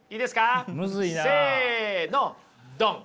せのドン！